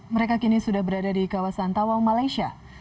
mereka kini sudah berada di kawasan tawau malaysia